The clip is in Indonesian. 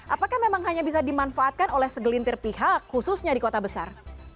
apakah memang hanya bisa dimanfaatkan oleh segelintir pihak khususnya di kota besar